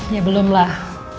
ya belum lah